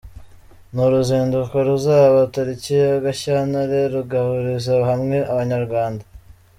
Ni uruzinduko ruzaba tariki ya Gashyantare. rugahuriza hamwe abanyarwanda.